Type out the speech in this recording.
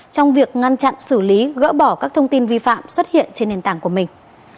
trong việc ngăn chặn xử lý gỡ bỏ các thông tin vi phạm xuất hiện trên nền tảng của mình